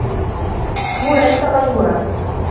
هو ليس غيورا.